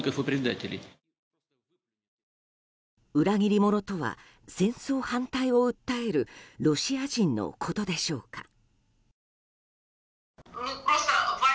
裏切り者とは戦争反対を訴えるロシア人のことでしょうか。